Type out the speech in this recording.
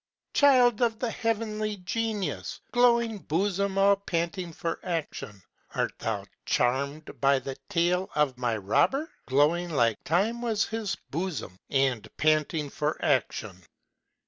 Child of the heavenly genius! Glowing bosom all panting for action! Art thou charmed by the tale of my robber? Glowing like time was his bosom, and panting for action!